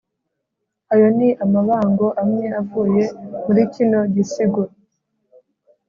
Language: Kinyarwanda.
ayo ni amabango amwe avuye muri kino gisigo